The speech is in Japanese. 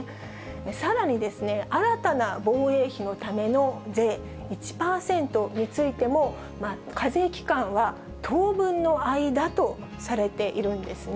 さらに、新たな防衛費のための税、１％についても、課税期間は当分の間とされているんですね。